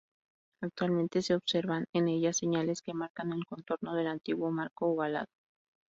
Actualmente se observan en ella señales que marcan el contorno del antiguo marco ovalado.